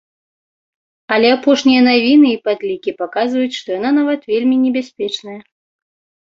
Але апошнія навіны і падлікі паказваюць, што яна нават вельмі небяспечная.